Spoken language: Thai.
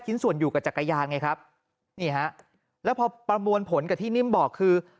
ส่วนอยู่กับจักรยานไงครับนี่ฮะแล้วพอประมวลผลกับที่นิ่มบอกคือ